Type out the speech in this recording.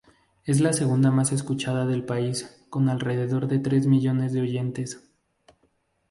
Es la segunda más escuchada del país, con alrededor de tres millones de oyentes.